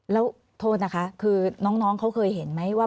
แล้วโทษนะคะคือน้องเขาเคยเห็นไหมว่า